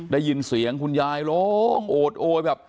ได้ยินเสียงคุณยายร้องโอดโอยแบบ